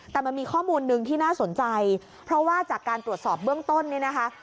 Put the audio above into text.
แต่มันมีข้อมูลหนึ่งที่น่าสนใจเพราะว่าจากการตรวจสอบเบื้องต้นเนี่ยนะคะ